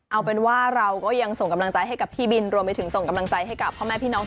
เอาเป็นว่าเราก็ยังส่งกำลังใจให้กับพี่บินรวมไปถึงส่งกำลังใจให้กับพ่อแม่พี่น้อง